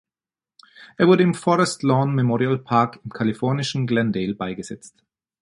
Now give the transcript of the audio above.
Er wurde im Forest Lawn Memorial Park im kalifornischen Glendale beigesetzt.